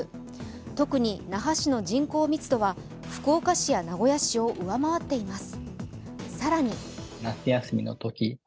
特に那覇市の人口密度は福岡市や名古屋市を上回っています。